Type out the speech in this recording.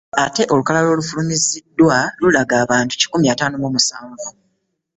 Ate olukalala olufulumiziddwa lulaga abantu kikumi ataano mu musanvu